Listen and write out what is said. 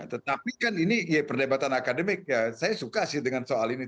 tetapi kan ini ya perdebatan akademik ya saya suka sih dengan soal ini